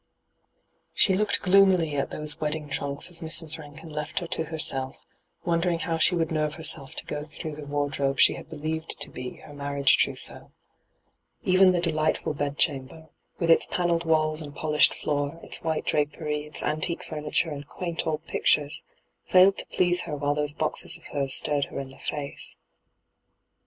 She looked gloomily at those wedding hyGoo>^lc ENTRAPPED 265 tmnkB as Mrs. Bankin left her to herself, wondering how she would nerve herself to go through the wardrobe she had believed to be her marriage troasseau. Even the delightful bedchamber, witti its panelled walls and polished floor, its white drapery, its antique fomiture and quaint old pictures, failed to please her while those boxes of hers stared her in the &ce.